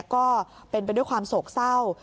ก็เป็นไปด้วยความโศกเศร้า